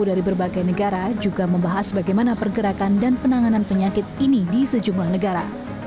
dari berbagai negara juga membahas bagaimana pergerakan dan penanganan penyakit ini di sejumlah negara